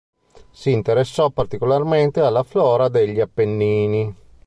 Si interessò particolarmente alla flora degli Appennini.